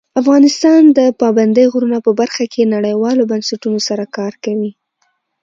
افغانستان د پابندی غرونه په برخه کې نړیوالو بنسټونو سره کار کوي.